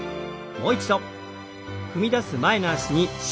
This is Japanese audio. もう一度。